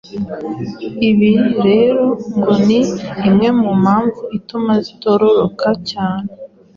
Ibi rero ngo ni imwe mu mpamvu ituma zitororoka cyane